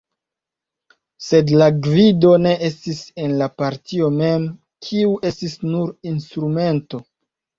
Sed la gvido ne estis en la partio mem, kiu estis nur instrumento.